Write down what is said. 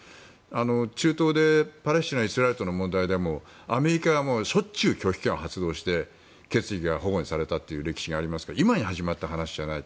中東でパレスチナ、イスラエルの問題でもアメリカが、しょっちゅう拒否権を発動して決議が反故にされた歴史がありますが今に始まった話じゃない。